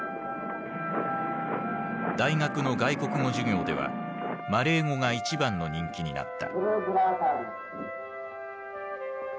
大学の外国語授業ではマレー語が一番の人気になった。